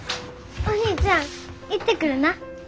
お兄ちゃん行ってくるな。